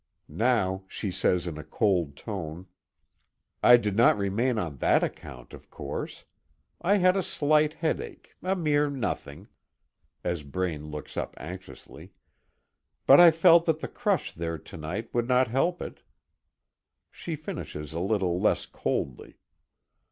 Now she says in a cold tone: "I did not remain on that account, of course. I had a slight headache a mere nothing " as Braine looks up anxiously "But I felt that the crush there to night would not help it." She finishes a little less coldly.